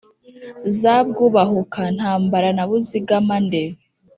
za bwubahuka-ntambara na buzigama-nde